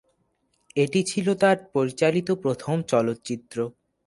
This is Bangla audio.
এটি ছিল তার পরিচালিত প্রথম চলচ্চিত্র।